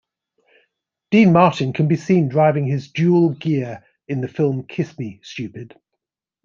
Dean Martin can be seen driving his Dual-Ghia in the film "Kiss Me, Stupid".